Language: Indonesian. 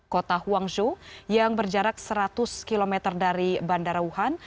kota huangzhou yang berjarak seratus km dari bandara wuhan